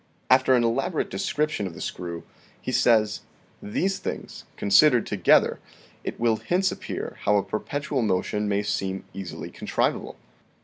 After an elaborate description of the screw, he says : "These things, considered together, it will hence appear how a perpetual motion may seem easily contrivable.